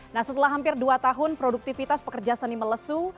nah setelah hampir dua tahun produktivitas pekerja seni melesu